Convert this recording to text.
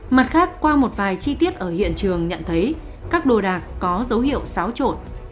mặt khác qua một vài chi tiết ở hiện trường nhận thấy các đồ đạc có dấu hiệu xáo trộn